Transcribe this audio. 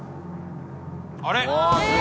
あれ？